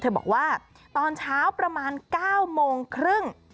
บอกว่าตอนเช้าประมาณ๙โมงครึ่ง